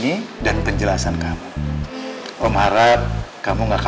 tidak tidak tidak